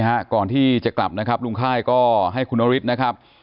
ฮะก่อนที่จะกลับนะครับลุงค่ายก็ให้คุณนฤทธิ์นะครับ